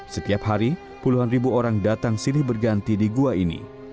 setiap hari puluhan ribu orang datang silih berganti di gua ini